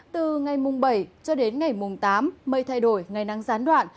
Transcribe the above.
từ ngày bảy cho đến ngày tám mây thay đổi ngày nắng gián đoạn